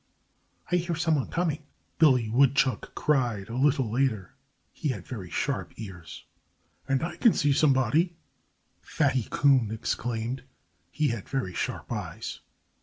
"I hear some one coming!" Billy Woodchuck cried a little later. He had very sharp ears. "And I can see somebody!" Fatty Coon exclaimed. He had very sharp eyes.